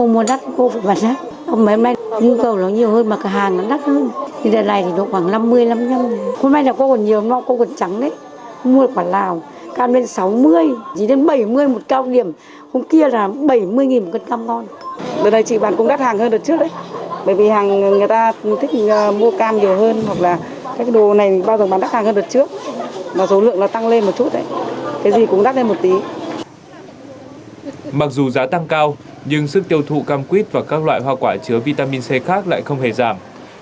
mặc dù giá tăng cao nhưng sức tiêu thụ cam quýt và các loại hoa quả chứa vitamin c khác lại không hề giảm